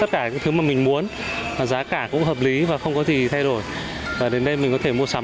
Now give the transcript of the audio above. những thứ mà mình muốn giá cả cũng hợp lý và không có gì thay đổi đến đây mình có thể mua sắm